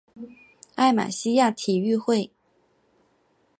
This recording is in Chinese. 艾马希亚体育会。